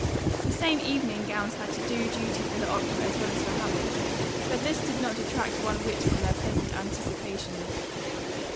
The same evening gowns had to do duty for the opera as well as for "Hamlet," but this did not detract one whit from their pleasant anticipations.